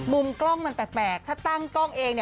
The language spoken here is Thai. มุมกล้องมันแปลกถ้าตั้งกล้องเอง